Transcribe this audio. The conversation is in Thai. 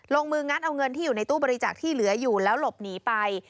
ลงมืองัดเอาเงินที่อยู่ในตู้บริจาคที่เหลืออยู่แล้วหลบหนีไป